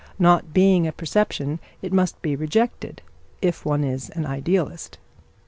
Not being a perception, it must be rejected, if one is an idealist.